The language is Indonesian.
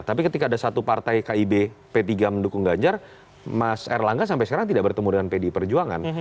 tapi ketika ada satu partai kib p tiga mendukung ganjar mas erlangga sampai sekarang tidak bertemu dengan pdi perjuangan